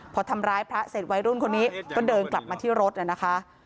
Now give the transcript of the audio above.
พอทำร้ายพระเสร็จวัยรุ่นคนนี้ก็เดินกลับมาที่รถนะคะ